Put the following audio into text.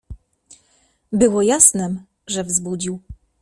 "Było jasnem, że wzbudził."